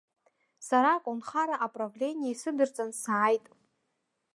Сара аколнхара аправлениа исыдырҵан, сааит.